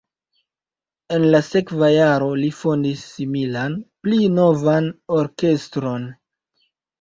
En la sekva jaro li fondis similan, pli novan orkestron.